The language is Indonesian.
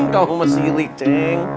kamu mesirik ceng